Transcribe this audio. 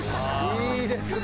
いいですね！